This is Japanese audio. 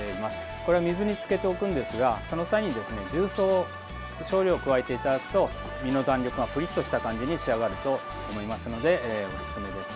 これは水につけておくんですがその際に、重曹を少量加えていただくと身の弾力がプリッとした感じに仕上がると思いますのでおすすめです。